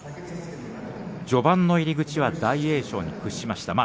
序盤の入り口は大栄翔に屈しました。